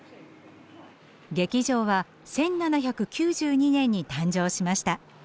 劇場は１７９２年に誕生しました。